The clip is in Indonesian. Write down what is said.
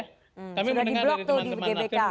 sudah di blok tuh di gbk